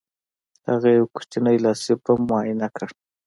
هغه یو کوچنی لاسي بم معاینه کړ